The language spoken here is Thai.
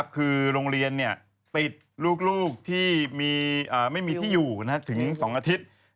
คือโรงเรียนติดลูกที่ไม่มีที่อยู่ถึง๒อาทิตย์